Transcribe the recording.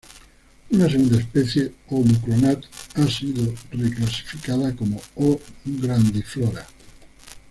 Una segunda especie "O. mucronat"a, ha sido reclasificada como O. grandiflora.